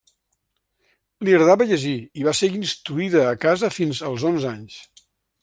Li agradava llegir i va ser instruïda a casa fins als onze anys.